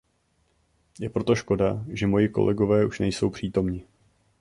Je proto škoda, že moji kolegové už nejsou přítomni.